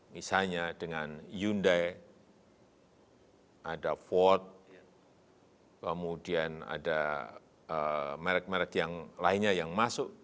misalnya dengan hyundai ada fort kemudian ada merek merek yang lainnya yang masuk